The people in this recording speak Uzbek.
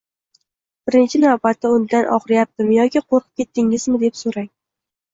birinchi navbatda undan “Og‘riyaptimi yoki qo‘rqib ketdingmi?”, deb so‘rang.